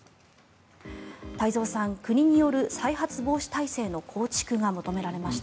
太蔵さん、国による再発防止体制の構築が求められました。